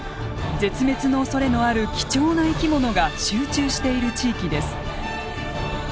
絶滅のおそれのある貴重な生き物が集中している地域です。